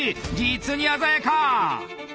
実に鮮やか！